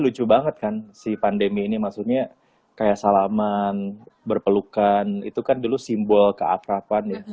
lucu banget kan si pandemi ini maksudnya kayak salaman berpelukan itu kan dulu simbol keakrapan ya